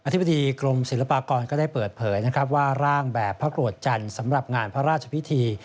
ธิบดีกรมศิลปากรก็ได้เปิดเผยนะครับว่าร่างแบบพระโกรธจันทร์สำหรับงานพระราชพิธี